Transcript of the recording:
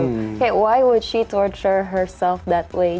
kayak kenapa dia akan mempercepat dirinya sendiri dengan cara itu